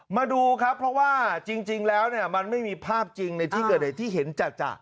มาดูครับเพราะว่าจริงแล้วเนี่ยมันไม่มีภาพจริงในที่เกิดเหตุที่เห็นจัด